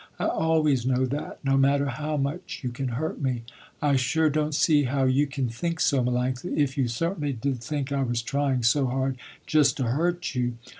I always know that, no matter how much you can hurt me." "I sure don't see how you can think so, Melanctha, if you certainly did think I was trying so hard just to hurt you."